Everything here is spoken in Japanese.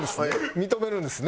認めるんですね。